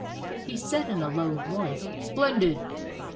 He said, in a low voice, "Splendid!"